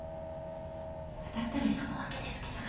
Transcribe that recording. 当たったら山分けですけどね。